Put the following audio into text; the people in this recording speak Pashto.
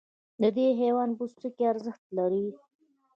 د دې حیوان پوستکی ارزښت لري.